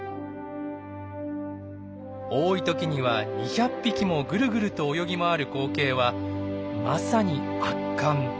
多い時には２００匹もグルグルと泳ぎ回る光景はまさに圧巻。